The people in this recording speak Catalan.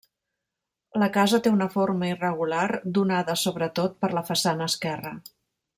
La casa té una forma irregular donada sobretot per la façana esquerra.